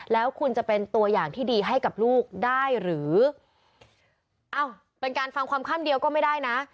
แล้วคุณจะเป็นตัวอย่างที่ดีให้กับลูกได้หรือเอ้าเป็นการฟังความขั้นเดียวก็ไม่ได้นะ